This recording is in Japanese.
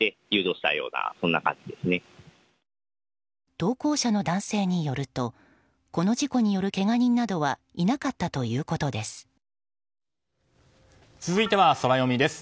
投稿者の男性によるとこの事故によるけが人などはいなかったということです。